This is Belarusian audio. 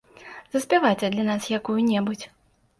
Заспявайце для нас якую-небудзь.